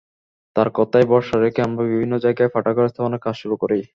তাঁর কথায় ভরসা রেখে আমরা বিভিন্ন জায়গায় পাঠাগার স্থাপনের কাজ শুরু করি।